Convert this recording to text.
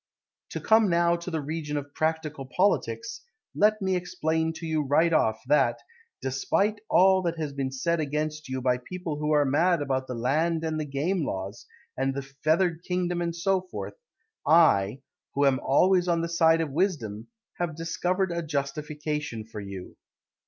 To come now to the region Of practical politics, Let me explain to you right off That, despite all that has been said against you By people who are mad about the Land And the Game laws, And the feathered kingdom And so forth, I, Who am always on the side of wisdom, Have discovered a justification for you.